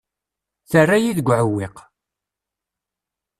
Terra-yi deg uɛewwiq.